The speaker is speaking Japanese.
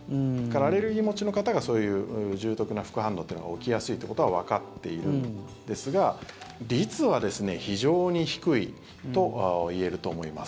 アレルギー持ちの方がそういう重篤な副反応というのが起きやすいことはわかっているんですが率はですね、非常に低いと言えると思います。